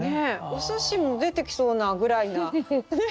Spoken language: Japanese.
お寿司も出てきそうなぐらいなねえ